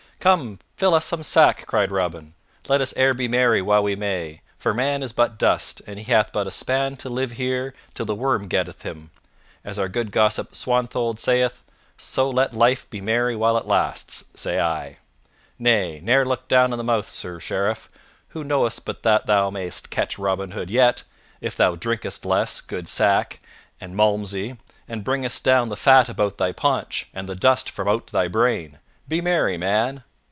"Come, fill us some sack!" cried Robin. "Let us e'er be merry while we may, for man is but dust, and he hath but a span to live here till the worm getteth him, as our good gossip Swanthold sayeth; so let life be merry while it lasts, say I. Nay, never look down i' the mouth, Sir Sheriff. Who knowest but that thou mayest catch Robin Hood yet, if thou drinkest less good sack and Malmsey, and bringest down the fat about thy paunch and the dust from out thy brain. Be merry, man."